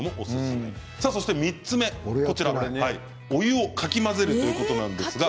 ３つ目お湯をかき混ぜるということです。